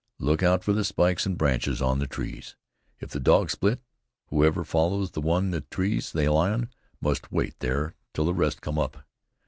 Look out for the spikes and branches on the trees. If the dogs split, whoever follows the one that trees the lion must wait there till the rest come up.